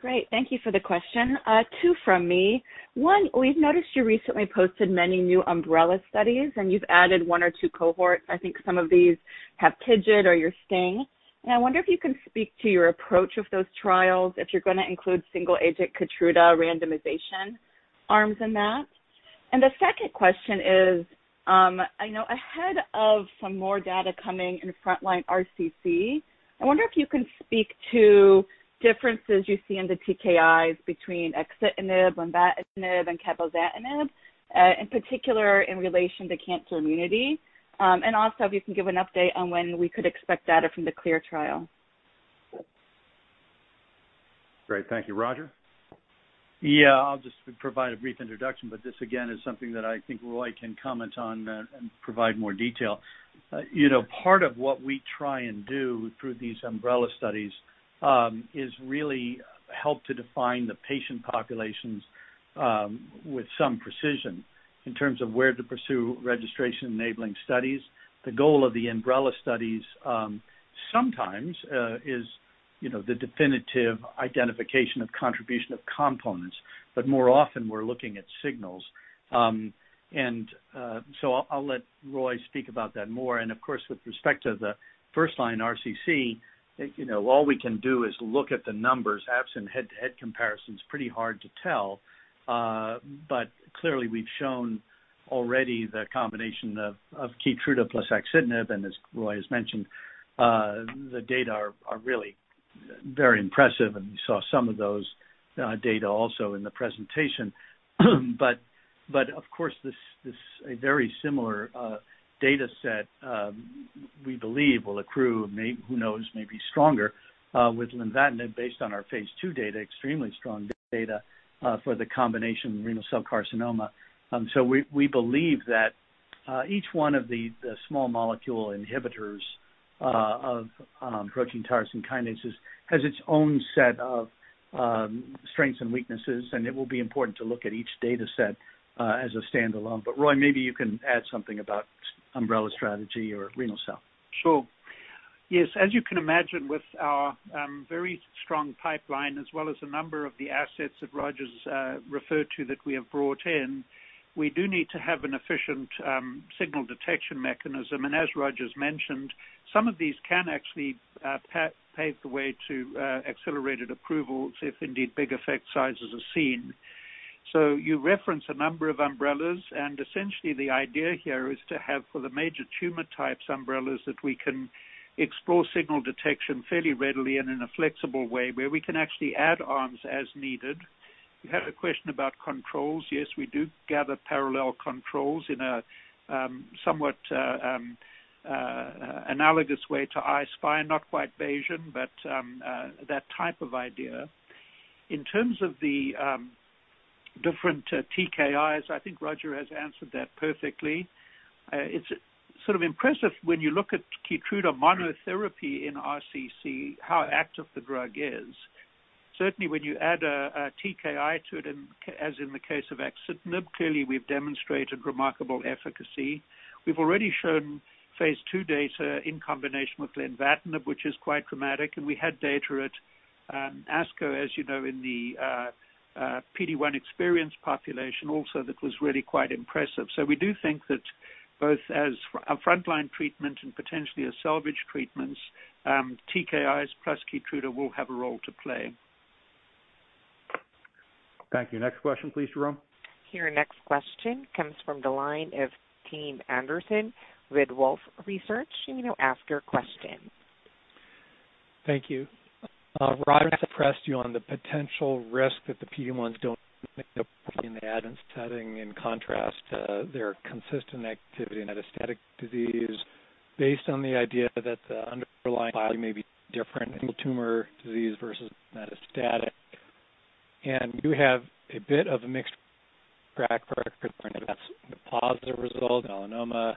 Great. Thank you for the question. Two from me. First, we've noticed you recently posted many new umbrella studies, and you've added one or two cohorts. I think some of these have TIGIT or your STING. I wonder if you can speak to your approach to those trials if you're going to include single agent KEYTRUDA randomization arms in that. The second question is, I know ahead of some more data coming in frontline RCC, I wonder if you can speak to differences you see in the TKIs between axitinib, lenvatinib, and cabozantinib, in particular in relation to cancer immunity. Also, if you can, give an update on when we could expect data from the CLEAR trial. Great. Thank you. Roger? Yeah, I'll just provide a brief introduction, but this again is something that I think Roy can comment on and provide more detail on. Part of what we try to do through these umbrella studies is really help to define the patient populations with some precision in terms of where to pursue registration enabling studies. The goal of the umbrella studies sometimes is the definitive identification of the contribution of components, but more often we're looking at signals. I'll let Roy speak about that more. Of course, with respect to the first-line RCC, all we can do is look at the numbers. Absent head-to-head comparison makes it pretty hard to tell. Clearly we've shown already the combination of KEYTRUDA plus axitinib, and as Roy has mentioned, the data are really very impressive, and we saw some of those data also in the presentation. Of course, this very similar data set we believe will accrue, who knows, maybe stronger with lenvatinib based on our phase II data, extremely strong data for the combination of renal cell carcinoma. We believe that each one of the small molecule inhibitors of protein tyrosine kinases has its own set of strengths and weaknesses, and it will be important to look at each data set as a standalone. Roy, maybe you can add something about umbrella strategy or renal cell. Sure. Yes, as you can imagine with our very strong pipeline as well as a number of the assets that Roger's referred to that we have brought in, we do need to have an efficient signal detection mechanism. As Roger's mentioned, some of these can actually pave the way to accelerated approvals if indeed big effect sizes are seen. You reference a number of umbrellas, and essentially the idea here is to have, for the major tumor types, umbrellas that we can explore signal detection fairly readily and in a flexible way, where we can actually add arms as needed. You had a question about controls. Yes, we do gather parallel controls in a somewhat analogous way to I-SPY, not quite Bayesian, but that type of idea. In terms of the different TKIs, I think Roger has answered that perfectly. It's sort of impressive when you look at KEYTRUDA monotherapy in RCC, how active the drug is. Certainly, when you add a TKI to it, as in the case of axitinib, clearly we've demonstrated remarkable efficacy. We've already shown phase II data in combination with lenvatinib, which is quite dramatic, and we had data at ASCO, as you know, in the PD-1 experience population also, that was really quite impressive. We do think that both as a frontline treatment and potentially as salvage treatments, TKIs plus KEYTRUDA will have a role to play. Thank you. Next question, please, Jerome. Your next question comes from the line of Tim Anderson, Wolfe Research. You may now ask your question. Thank you. Roger, I pressed you on the potential risk that the PD-1s don't make it in the adjuvant setting in contrast to their consistent activity in metastatic disease based on the idea that the underlying biology may be different in solid-tumor disease versus metastatic. You have a bit of a mixed track record; I know that's a positive result in melanoma.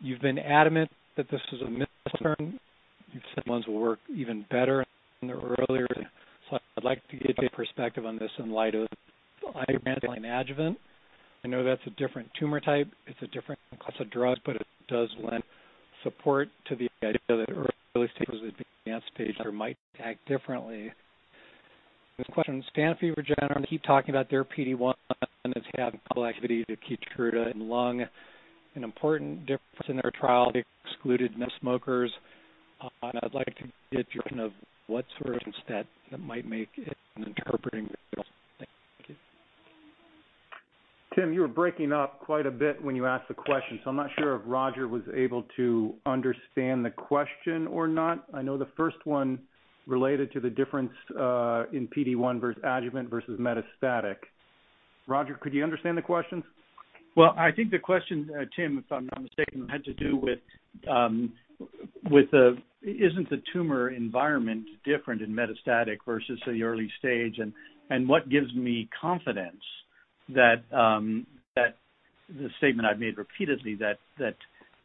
You've been adamant that this is a misconcern. You've said ones that will work even better earlier. I'd like to get your perspective on this in light of IBRANCE adjuvant. I know that's a different tumor type and it's a different class of drugs, but it does lend support to the idea that early-stage versus advanced-stage cancer might act differently. This question, Sanofi and Regeneron generally keep talking about their PD-1 as having activity to KEYTRUDA in lung. An important difference in their trial: they excluded smokers. I'd like to get your opinion on what sort of insight that might make in interpreting the results. Thank you. Tim, you were breaking up quite a bit when you asked the question. I'm not sure if Roger was able to understand the question or not. I know the first one related to the difference in PD-1 adjuvant versus metastatic. Roger, could you understand the questions? Well, I think the question, Tim, if I'm not mistaken, had to do with whether the tumor environment is different in metastatic versus the early stage. What gives me confidence is the statement I've made repeatedly that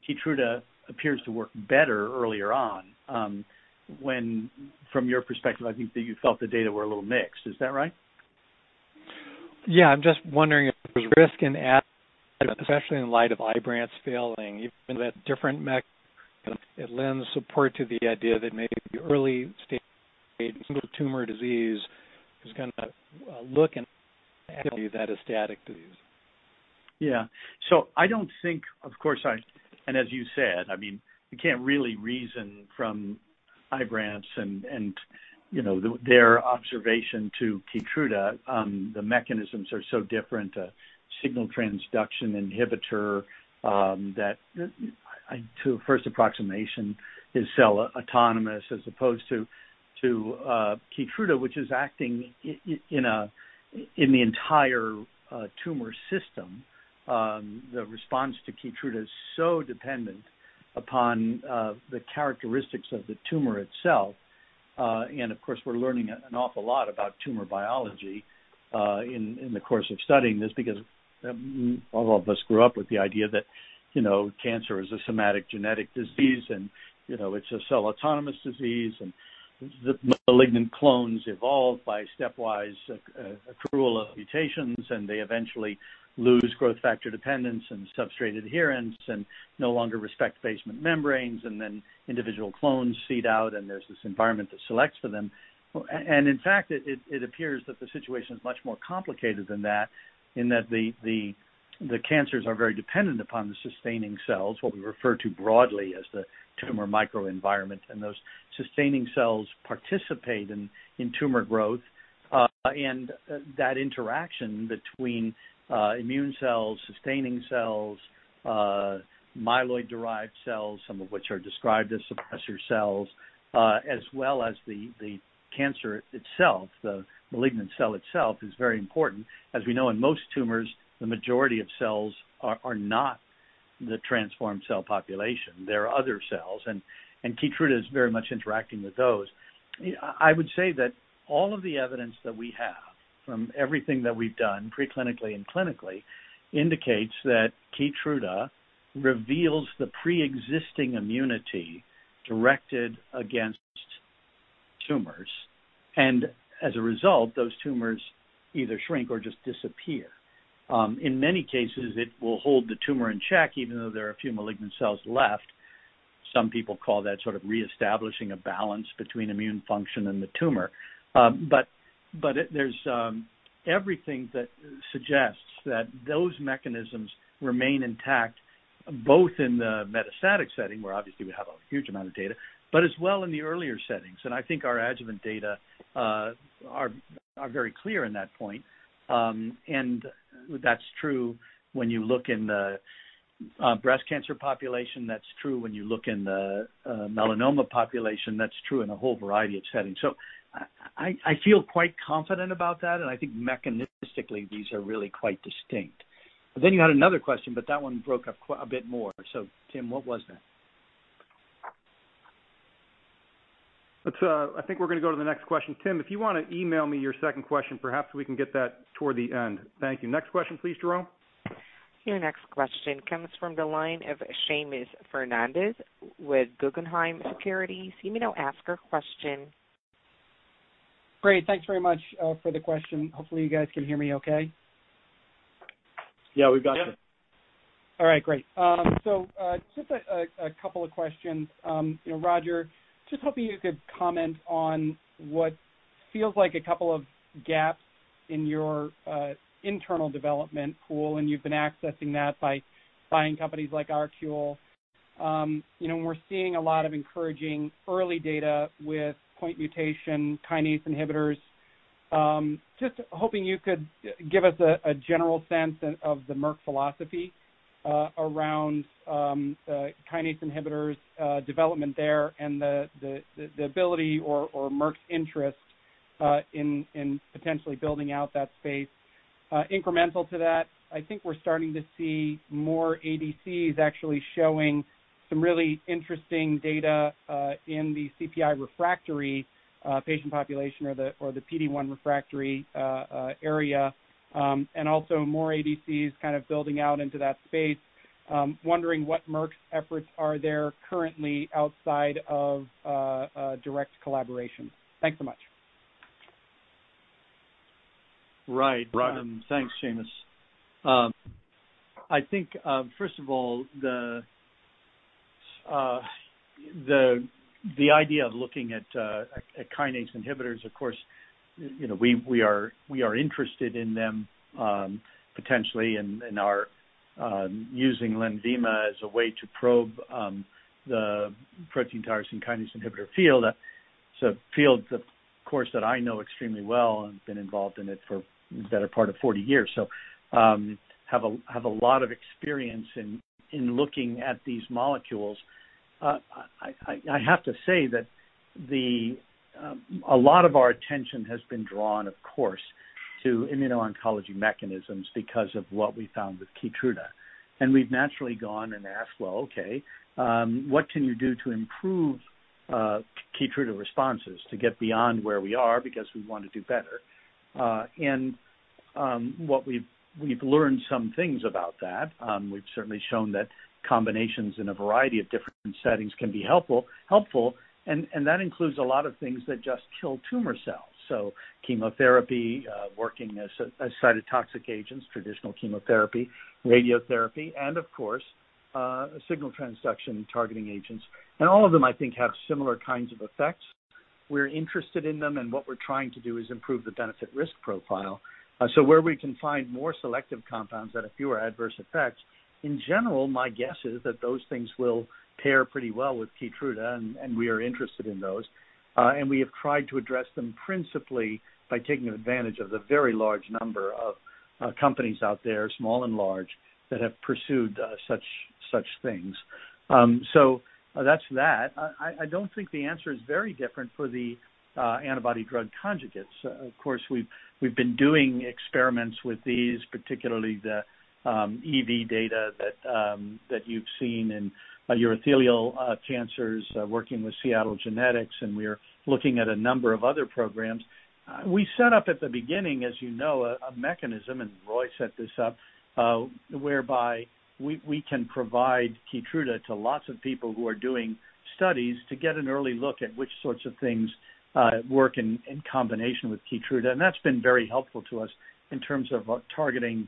KEYTRUDA appears to work better earlier on, when from your perspective, I think that you felt the data were a little mixed. Is that right? Yeah. I'm just wondering if there's risk in adjuvant, especially in light of IBRANCE failing, even though that different mechanism, it lends support to the idea that maybe early-stage single-tumor disease is going to look like metastatic disease activity. Yeah. Of course, and as you said, you can't really reason from IBRANCE and their observation to KEYTRUDA. The mechanisms are so different. A signal transduction inhibitor that, to a first approximation, is cell-autonomous as opposed to KEYTRUDA, which is acting in the entire tumor system. The response to KEYTRUDA is so dependent upon the characteristics of the tumor itself. Of course, we're learning an awful lot about tumor biology in the course of studying this because all of us grew up with the idea that cancer is a somatic genetic disease and it's a cell-autonomous disease and the malignant clones evolve by stepwise accrual of mutations, and they eventually lose growth factor dependence and substrate adherence and no longer respect basement membranes. Then individual clones seed out, and there's this environment that selects for them. In fact, it appears that the situation is much more complicated than that in that the cancers are very dependent upon the sustaining cells, what we refer to broadly as the tumor microenvironment. Those sustaining cells participate in tumor growth. That interaction between immune cells, sustaining cells, myeloid-derived cells, some of which are described as suppressor cells, as well as the cancer itself, the malignant cell itself, is very important. As we know in most tumors, the majority of cells are not the transformed cell population. There are other cells. KEYTRUDA is very much interacting with those. I would say that all of the evidence that we have from everything that we've done preclinically and clinically indicates that KEYTRUDA reveals the preexisting immunity directed against tumors, and as a result, those tumors either shrink or just disappear. In many cases, it will hold the tumor in check even though there are a few malignant cells left. Some people call that sort of reestablishing a balance between immune function and the tumor. Everything that suggests that those mechanisms remain intact, both in the metastatic setting, where obviously we have a huge amount of data, and in the earlier settings. I think our adjuvant data are very clear on that point. That's true when you look in the breast cancer population; that's true when you look in the melanoma population; that's true in a whole variety of settings. I feel quite confident about that, and I think mechanistically, these are really quite distinct. You had another question, but that one broke up quite a bit more. Tim, what was that? I think we're going to go to the next question. Tim, if you want to email me your second question, perhaps we can get that toward the end. Thank you. Next question, please, Jerome. Your next question comes from the line of Seamus Fernandez with Guggenheim Securities. You may now ask your question. Great. Thanks very much for the question. Hopefully, you guys can hear me okay. Yeah, we've got you. All right, great. Just a couple of questions. Roger, just hoping you could comment on what feels like a couple of gaps in your internal development pool, and you've been accessing that by buying companies like ArQule. We're seeing a lot of encouraging early data with point mutation kinase inhibitors. Just hoping you could give us a general sense of the Merck philosophy around kinase inhibitor development there and the ability or Merck's interest in potentially building out that space. Incremental to that, I think we're starting to see more ADCs actually showing some really interesting data in the CPI refractory patient population or the PD-1 refractory area. Also more ADCs are kind of building out into that space. Wondering what Merck's efforts are there currently outside of direct collaboration. Thanks so much. Right. Roger. Thanks, Seamus. I think, first of all, the idea of looking at kinase inhibitors—of course, we are interested in them potentially and are using LENVIMA as a way to probe the protein tyrosine kinase inhibitor field. It's a field, of course, that I know extremely well, and I've been involved in it for the better part of 40 years. Have a lot of experience in looking at these molecules. I have to say that a lot of our attention has been drawn, of course, to immuno-oncology mechanisms because of what we found with KEYTRUDA. We've naturally gone and asked, Well, okay, what can you do to improve KEYTRUDA responses to get beyond where we are because we want to do better? We've learned some things about that. We've certainly shown that combinations in a variety of different settings can be helpful, and that includes a lot of things that just kill tumor cells. Chemotherapy, working as cytotoxic agents; traditional chemotherapy; radiotherapy; and, of course, signal transduction targeting agents. All of them, I think, have similar kinds of effects. We're interested in them, and what we're trying to do is improve the benefit-risk profile. Where we can find more selective compounds that have fewer adverse effects, in general, my guess is that those things will pair pretty well with KEYTRUDA, and we are interested in those. We have tried to address them principally by taking advantage of the very large number of companies out there, small and large, that have pursued such things. That's that. I don't think the answer is very different for the antibody drug conjugates. Of course, we've been doing experiments with these, particularly the EV data that you've seen in urothelial cancers, working with Seattle Genetics. We're looking at a number of other programs. We set up at the beginning, as you know, a mechanism, and Roy set this up whereby we can provide KEYTRUDA to lots of people who are doing studies to get an early look at which sorts of things work in combination with KEYTRUDA. That's been very helpful to us in terms of targeting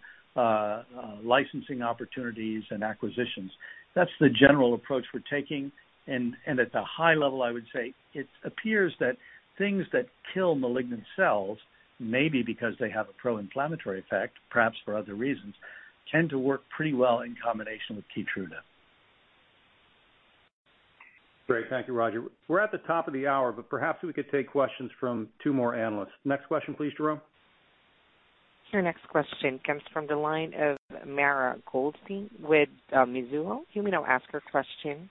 licensing opportunities and acquisitions. That's the general approach we're taking, and at the high level, I would say it appears that things that kill malignant cells, maybe because they have a pro-inflammatory effect, perhaps for other reasons, tend to work pretty well in combination with KEYTRUDA. Great. Thank you, Roger. We're at the top of the hour, but perhaps we could take questions from two more analysts. Next question, please, Jerome. Your next question comes from the line of Mara Goldstein with Mizuho. You may now ask your question.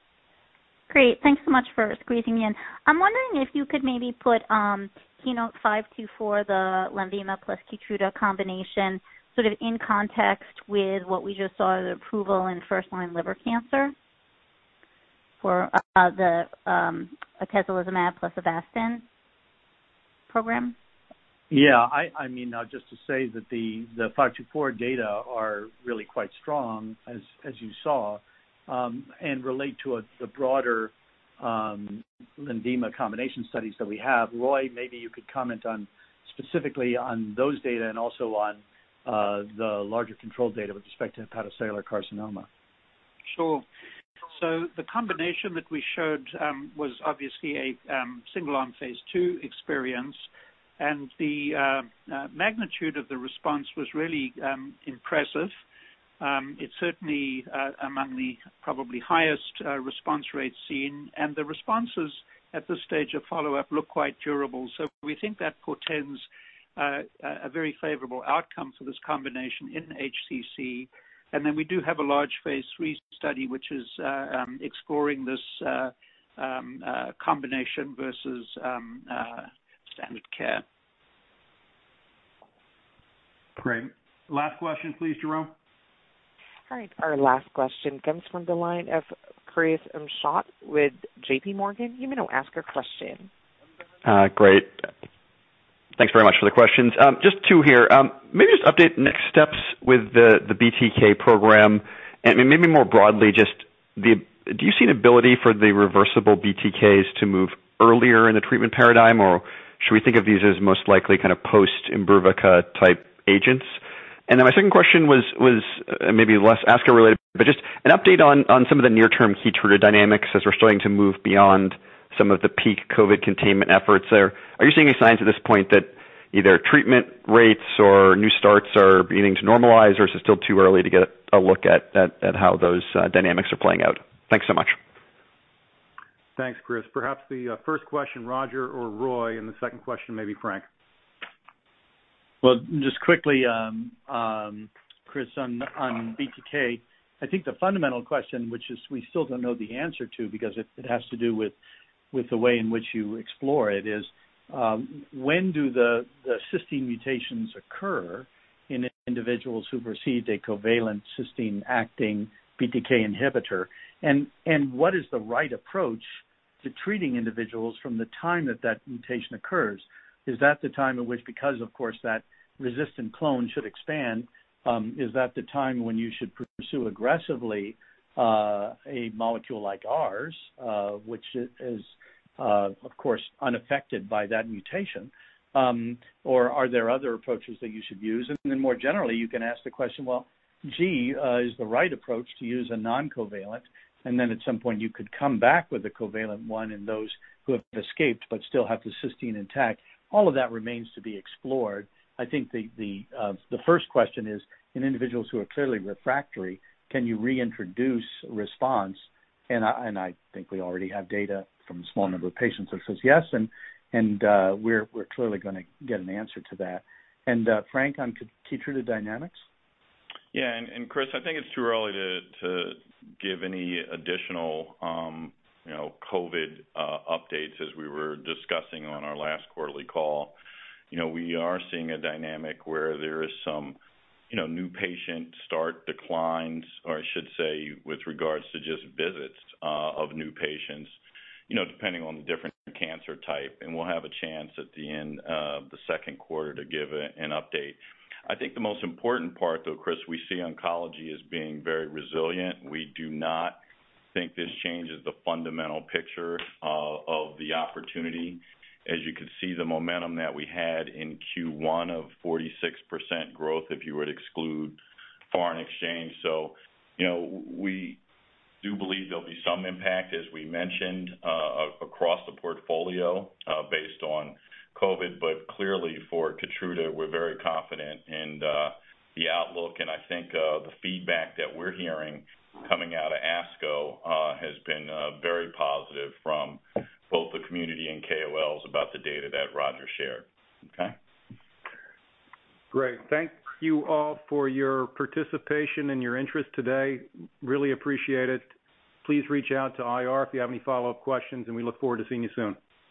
Great. Thanks so much for squeezing me in. I'm wondering if you could maybe put KEYNOTE-524, the LENVIMA plus KEYTRUDA combination, sort of in context with what we just saw, the approval in first-line liver cancer for the atezolizumab plus AVASTIN program. Just to say that the KEYNOTE-524 data are really quite strong, as you saw, and relate to the broader LENVIMA combination studies that we have. Roy, maybe you could comment specifically on those data and also on the larger control data with respect to hepatocellular carcinoma. Sure. The combination that we showed was obviously a single-arm phase II experience; the magnitude of the response was really impressive. It's certainly among the probably highest response rates seen, and the responses at this stage of follow-up look quite durable. We think that portends a very favorable outcome for this combination in HCC. We do have a large phase III study, which is exploring this combination versus standard care. Great. Last question, please, Jerome. All right. Our last question comes from the line of Chris Schott with JPMorgan. You may now ask your question. Great. Thanks very much for the questions. Just two here. Maybe just update next steps with the BTK program. Maybe more broadly, do you see an ability for the reversible BTKs to move earlier in the treatment paradigm, or should we think of these as most likely kind of post-IMBRUVICA type agents? My second question was maybe less ASCO related, but just an update on some of the near-term KEYTRUDA dynamics as we're starting to move beyond some of the peak COVID containment efforts there. Are you seeing any signs at this point that either treatment rates or new starts are beginning to normalize, or is it still too early to get a look at how those dynamics are playing out? Thanks so much. Thanks, Chris. Perhaps the first question, Roger or Roy, and the second question, maybe Frank. Well, just quickly, Chris, on BTK, I think the fundamental question, which is we still don't know the answer to because it has to do with the way in which you explore it, is when do the cysteine mutations occur in individuals who've received a covalent cysteine-acting BTK inhibitor? What is the right approach to treating individuals from the time that that mutation occurs? Is that the time at which, because, of course, that resistant clone should expand, is that the time when you should pursue aggressively a molecule like ours, which is, of course, unaffected by that mutation? Are there other approaches that you should use? More generally, you can ask the question, well, gee, is the right approach to use a non-covalent, and then at some point you could come back with a covalent one and those who have escaped but still have the cysteine intact. All of that remains to be explored. I think the first question is, in individuals who are clearly refractory, can you reintroduce a response? I think we already have data from a small number of patients that says yes, and we're clearly going to get an answer to that. Frank, on KEYTRUDA dynamics? Yeah. Chris, I think it's too early to give any additional COVID updates, as we were discussing on our last quarterly call. We are seeing a dynamic where there is some new patient start declines, or I should say, with regard to just visits of new patients, depending on the different cancer type, and we'll have a chance at the end of the second quarter to give an update. I think the most important part, though, Chris, is that we see oncology as being very resilient. We do not think this changes the fundamental picture of the opportunity. As you can see, the momentum that we had in Q1 of 46% growth if you would exclude foreign exchange. We do believe there'll be some impact, as we mentioned, across the portfolio, based on COVID, but clearly for KEYTRUDA, we're very confident in the outlook. I think the feedback that we're hearing coming out of ASCO has been very positive from both the community and KOLs about the data that Roger shared. Okay. Great. Thank you all for your participation and your interest today. Really appreciate it. Please reach out to IR if you have any follow-up questions. We look forward to seeing you soon.